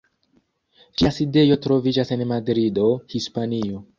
Ĝia sidejo troviĝas en Madrido, Hispanio.